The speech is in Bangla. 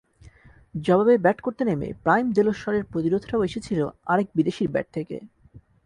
জবাবে ব্যাট করতে নেমে প্রাইম দেলোশ্বরের প্রতিরোধটাও এসেছিল আরেক বিদেশির ব্যাট থেকে।